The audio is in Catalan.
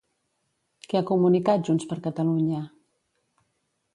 Què ha comunicat Junts per Catalunya?